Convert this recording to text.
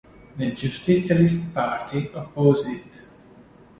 The Justicialist Party opposed it.